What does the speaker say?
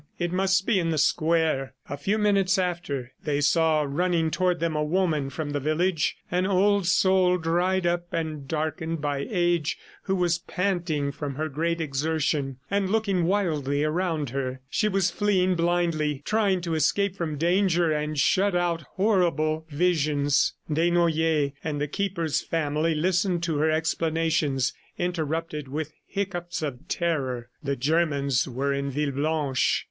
It must be in the square." A few minutes after they saw running toward them a woman from the village, an old soul, dried up and darkened by age, who was panting from her great exertion, and looking wildly around her. She was fleeing blindly, trying to escape from danger and shut out horrible visions. Desnoyers and the Keeper's family listened to her explanations interrupted with hiccoughs of terror. The Germans were in Villeblanche.